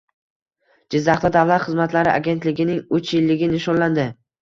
Jizzaxda davlat xizmatlari agentligining uch yilligi nishonlandi